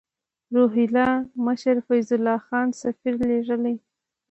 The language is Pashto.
روهیله مشر فیض الله خان سفیر لېږلی.